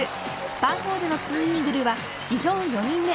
パー４での２イーグルは史上４人目。